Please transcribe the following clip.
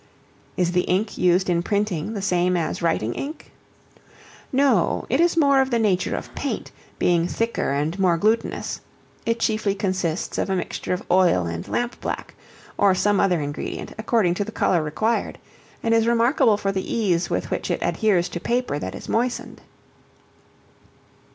Is the Ink used in Printing the same as writing Ink? No; it is more of the nature of paint, being thicker and more glutinous: it chiefly consists of a mixture of oil and lamp black, or some other ingredient, according to the color required; and is remarkable for the ease with which it adheres to paper that is moistened.